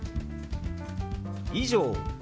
「以上」。